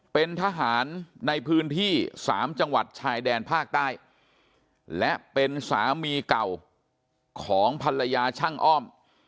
เป็นทหารในพื้นที่๓จังหวัดชายแดนภาคใต้และเป็นสามีเก่าของภรรยาช่างอ้อม